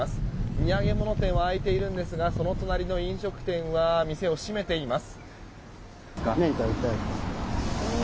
土産物店は開いているんですがその隣の飲食店は店を閉めています。